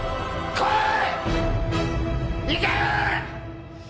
来い！